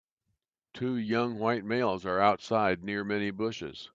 Two young, White males are outside near many bushes.